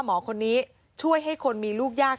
หมอคนนี้ช่วยให้คนมีลูกยาก